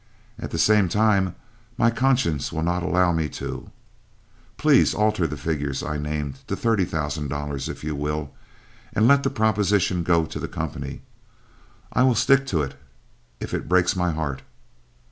At the same time my conscience will not allow me to . Please alter the figures I named to thirty thousand dollars, if you will, and let the proposition go to the company I will stick to it if it breaks my heart!"